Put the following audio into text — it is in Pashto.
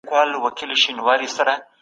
افراد د فشار په اړه شعوري بدلون کولی شي.